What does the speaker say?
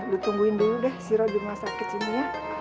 lo tungguin dulu deh si rodunga sakit sini ya